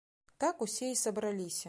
Так усе і сабраліся.